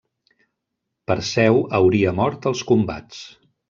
Perseu hauria mort als combats.